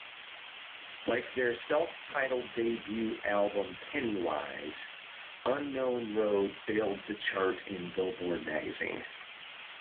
Like their self-titled debut album "Pennywise", "Unknown Road" failed to chart in Billboard magazine.